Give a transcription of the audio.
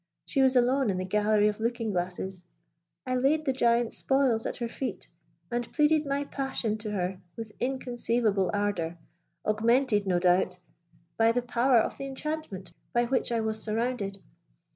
She was alone in the Gallery of Looking glasses. I laid the giant's spoils at her feet, and pleaded my passion to her with inconceivable ardour, augmented, no doubt, by the power of the enchantment by which I was surrounded.